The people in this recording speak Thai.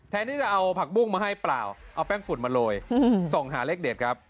ที่จะเอาผักบุ้งมาให้เปล่าเอาแป้งฝุ่นมาโรยส่องหาเลขเด็ดครับ